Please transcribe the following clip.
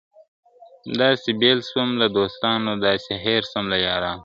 داسي بېل سوم له دوستانو داسي هېر سوم له یارانو !.